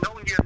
rất đấu nhiên